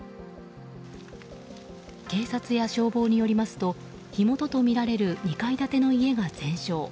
警察や消防によりますと火元とみられる２階建ての家が全焼。